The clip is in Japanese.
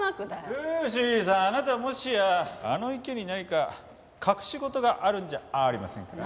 ルーシーさんあなたもしやあの池に何か隠し事があるんじゃあーりませんか？